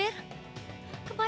kemarin aku jemput